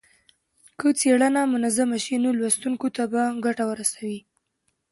که څېړنه منظمه شي نو لوستونکو ته به ګټه ورسوي.